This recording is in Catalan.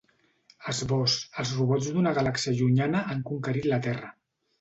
Esbós: Els robots d’una galàxia llunyana han conquerit la terra.